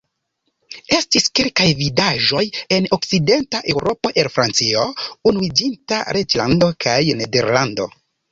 Estis kelkaj vidaĵoj en Okcidenta Eŭropo el Francio, Unuiĝinta Reĝlando kaj Nederlando.